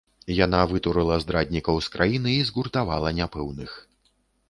Яна вытурыла здраднікаў з краіны і згуртавала няпэўных.